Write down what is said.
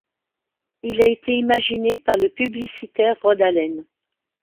Il a été imaginé par le publicitaire Rod Allen.